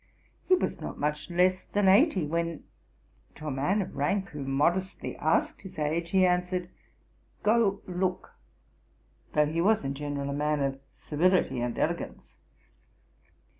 He was not much less than eighty, when to a man of rank who modestly asked his age, he answered, "Go look;" though he was in general a man of civility and elegance.